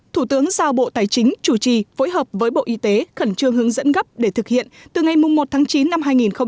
thủ tướng giao bộ tài chính chủ trì phối hợp với bộ y tế khẩn trương hướng dẫn gấp để thực hiện từ ngày một tháng chín năm hai nghìn hai mươi